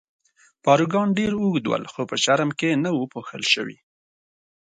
پاروګان ډېر اوږد ول، خو په چرم کې نه وو پوښل شوي.